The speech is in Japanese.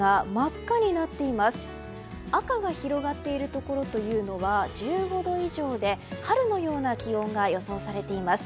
赤が広がっているところは１５度以上で、春のような気温が予想されています。